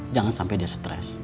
jangan sampai dia stres